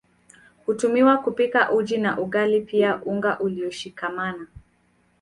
Hutumiwa kupika uji na ugali pia unga ulioshikamana